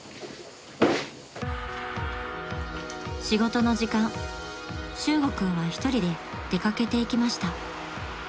［仕事の時間修悟君は一人で出掛けていきました］